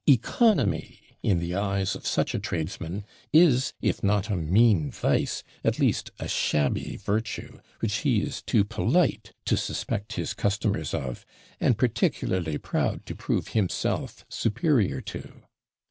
Economy, in the eyes of such a tradesman, is, if not a mean vice, at least a shabby virtue, which he is too polite to suspect his customers of, and particularly proud to prove himself superior to.